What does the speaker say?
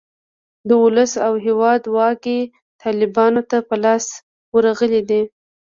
د اولس او هیواد واګې طالیبانو ته په لاس ورغلې دي.